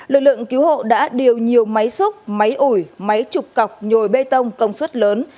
lực lượng cứu hộ đã điều nhiều máy xúc máy ủi máy trục cọc nhồi bê tông công suất lớn